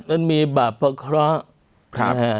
มันมีบาปเพราะเคราะห์